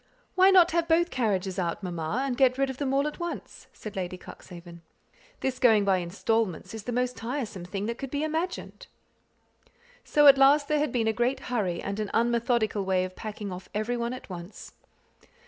"Why not have both carriages out, mamma, and get rid of them all at once?" said Lady Cuxhaven. "This going by instalments is the most tiresome thing that could be imagined." So at last there had been a great hurry and an unmethodical way of packing off every one at once.